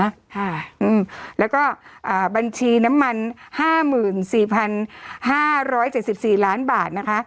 ค่ะอืมแล้วก็อ่าบัญชีน้ำมันห้าหมื่นสี่พันห้าร้อยเจ็ดสิบสี่ล้านบาทนะคะ